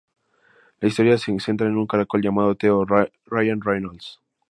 La historia se centra en un caracol llamado Theo, Ryan Reynolds.